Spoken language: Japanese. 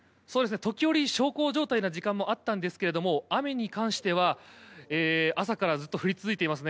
時折、小康状態の時間もあったんですが雨に関しては朝からずっと降り続いています。